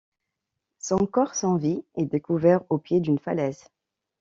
Son corps, sans vie, est découvert au pied d’une falaise.